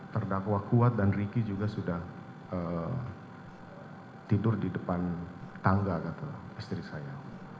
terdakwa kuat dan riki juga sudah tidur di depan tangga istri saya